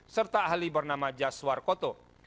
serta ahli bernama jaswar koto